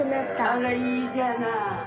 あらいいじゃない！